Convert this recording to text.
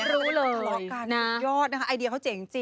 รู้เลยนะทะเลาะกันยอดนะคะไอเดียเขาเจ๋ง